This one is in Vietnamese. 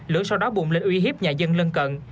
lửa sau đó bùng lên uy hiếp nhà dân lân cận